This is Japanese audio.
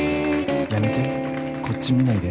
やめてこっち見ないで